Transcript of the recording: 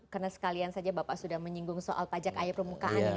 karena sekalian saja bapak sudah menyinggung soal pajak air permukaan ini